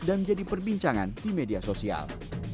dan menjadi perbincangan di media sosial